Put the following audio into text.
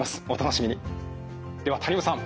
では谷本さん